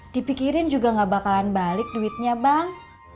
dipikirin juga gak bakalan balik duitnya bang